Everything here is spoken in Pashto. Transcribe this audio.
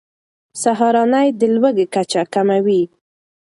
سهارنۍ د لوږې کچه کموي.